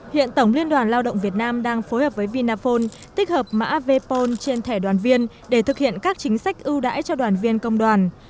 hiện tổng liên đoàn lao động việt nam đang phối hợp với vinaphone tích hợp mã vepol trên thẻ đoàn viên để thực hiện các chính sách ưu đãi cho đoàn viên công đoàn